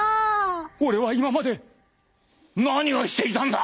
俺は今まで何をしていたんだ」。